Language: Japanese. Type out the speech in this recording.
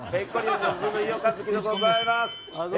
ずんの飯尾和樹でございます。